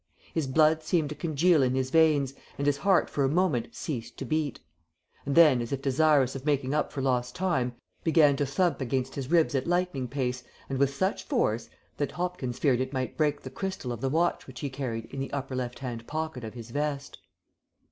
His blood seemed to congeal in his veins, and his heart for a moment ceased to beat, and then, as if desirous of making up for lost time, began to thump against his ribs at lightning pace and with such force that Hopkins feared it might break the crystal of the watch which he carried in the upper left hand pocket of his vest.